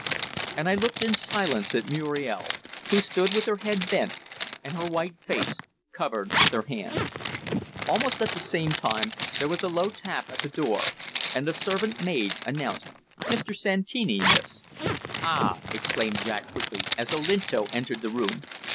And I looked in silence at Muriel, who stood with her head bent and her white face covered with her hands. Almost at the same moment there was a low tap at the door, and the servant maid announced: "Mr. Santini, miss." "Ah!" exclaimed Jack quickly, as Olinto entered the room.